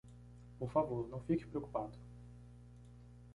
Por favor, não fique preocupado.